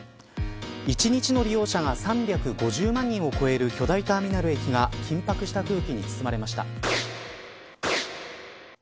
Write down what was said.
一日の利用者が３５０万人を超える巨大ターミナル駅が緊迫した空気に包まれました。